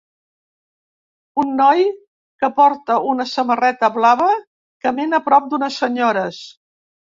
Un noi que porta una samarreta blava camina prop d'unes senyores.